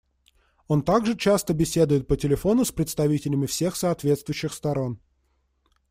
Он также часто беседует по телефону с представителями всех соответствующих сторон.